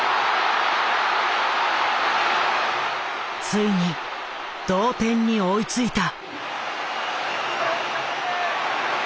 ついに同点に追いついた。